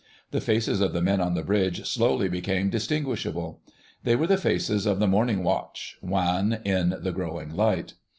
The faces of the men on the bridge slowly became distinguishable. They were the faces of the Morning Watch, wan in the growing light.